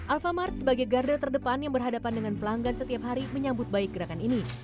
alfamart sebagai garda terdepan yang berhadapan dengan pelanggan setiap hari menyambut baik gerakan ini